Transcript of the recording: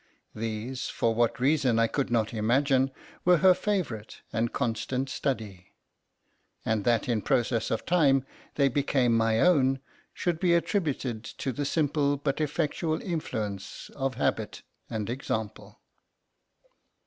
These, for what reason I could not imagine, were her favourite and constant study—and that in process of time they became my own, should be attributed to the simple but effectual influence of habit and example.